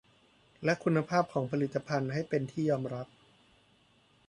และคุณภาพของผลิตภัณฑ์ให้เป็นที่ยอมรับ